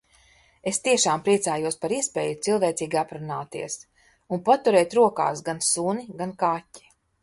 Es tiešām priecājos par iespēju cilvēcīgi aprunāties. Un paturēt rokās gan suni, gan kaķi.